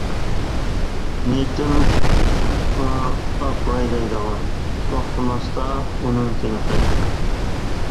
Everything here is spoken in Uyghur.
نىيىتىم بار ئاپىراي دەيدىغان، توختىماستا ئۇنىڭ تىنىقى.